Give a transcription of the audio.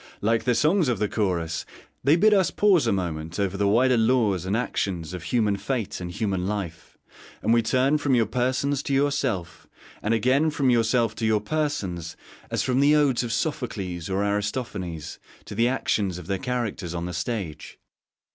Like the songs of the Chorus, they bid us pause a moment over the wider laws and actions of human fate and human life, and we turn from your persons to yourself, and again from yourself to your persons, as from the odes of Sophocles or Aristophanes to the action of their characters on the stage.